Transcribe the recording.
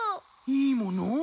いいもの？